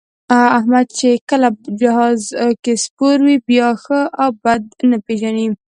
احمد چې کله جهاز کې سپور وي، بیا ښه او بد نه پېژني.